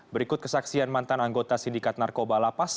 berikut kesaksian mantan anggota sindikat narkoba lapas